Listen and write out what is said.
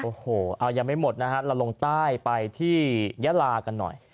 โอ้โหเอายังไม่หมดนะฮะเราลงใต้ไปที่ยะลากันหน่อย